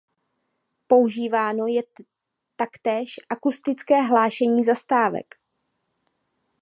Používáno je taktéž akustické hlášení zastávek.